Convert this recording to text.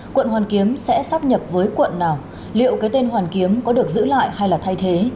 quận hoàn kiếm sẽ sắp nhập với quận nào liệu cái tên hoàn kiếm có được giữ lại hay là thay thế